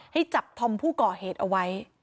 ให้จับธอมผู้ก่อเหตุเอาไว้